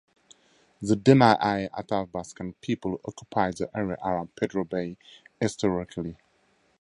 The Dena'ina Athabascan people occupied the area around Pedro Bay historically.